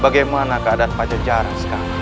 bagaimana keadaan pajak jalan sekarang